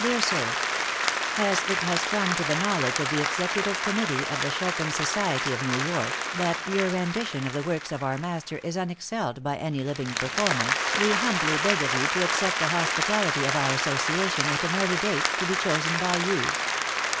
DEAR SIR: As it has come to the knowledge of the Executive Committee of the Chopin Society of New York that your rendition of the works of our master is unexcelled by any living performer, we humbly beg of you to accept the hospitality of our association at an early date, to be chosen by you.